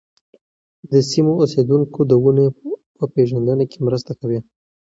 د سیمو اوسېدونکي د ونو په پېژندنه کې مرسته کوي.